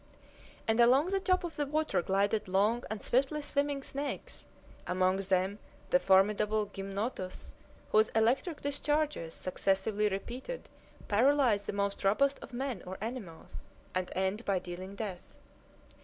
And along the top of the water glided long and swiftly swimming snakes, among them the formidable gymnotus, whose electric discharges successively repeated paralyze the most robust of men or animals, and end by dealing death.